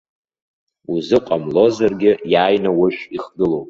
Узыҟамлозаргьы, иааины ушә ихгылоуп.